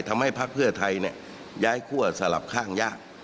ทำให้พระเผื่อไทยย้ายขั้วสลับข้างยาก